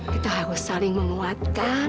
kita harus saling menguatkan